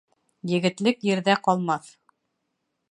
Егетлек ерҙә ҡалмаҫ.